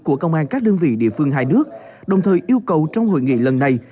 của công an các đơn vị địa phương hai nước đồng thời yêu cầu trong hội nghị lần này